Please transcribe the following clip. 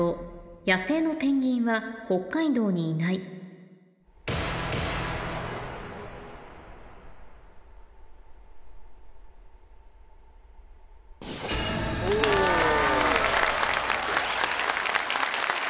野生のペンギンは北海道にいないあぁ。